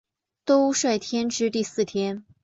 兜率天之第四天。